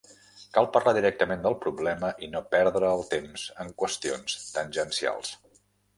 Cal parlar directament del problema i no perdre el temps en qüestions tangencials.